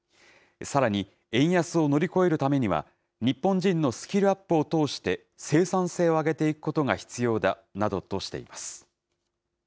さらに、円安を乗り越えるためには、日本人のスキルアップを通して、生産性を上げていくことが必要だなどとしています。